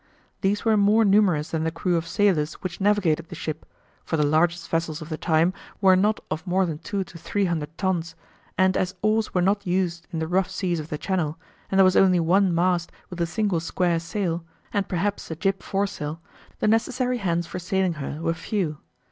These were more numerous than the crew of sailors which navigated the ship, for the largest vessels of the time were not of more than two to three hundred tons, and as oars were not used in the rough seas of the Channel and there was only one mast with a single square sail, and perhaps a jib foresail, the necessary hands for sailing her were few.